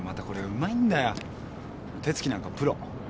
手つきなんかプロ。